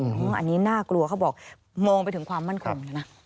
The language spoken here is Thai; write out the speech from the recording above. เพราะว่าอันนี้น่ากลัวเขาบอกมองไปถึงความมั่นคลุม